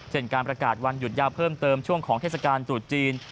การประกาศวันหยุดยาวเพิ่มเติมช่วงของเทศกาลตรุษจีน